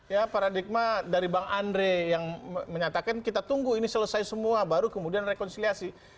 ya paradigma dari bang andre yang menyatakan kita tunggu ini selesai semua baru kemudian rekonsiliasi